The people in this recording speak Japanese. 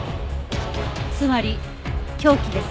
つまり凶器です。